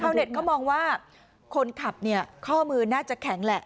เข้าเลยเน็ตจะมองว่าคนขับเนี่ยข้อมือน่าจะแข็งแหละ